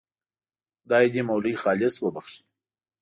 خدای دې مولوي خالص وبخښي.